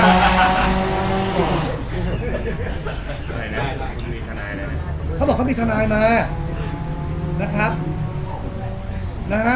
อะไรนะเขาบอกเขามีทนายมานะครับนะฮะ